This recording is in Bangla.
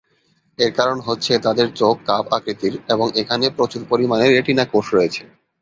এর কারণ হচ্ছে তাদের চোখ কাপ আকৃতির, এবং এখানে প্রচুর পরিমাণে রেটিনা কোষ রয়েছে।